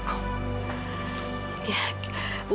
kamu perlu kamu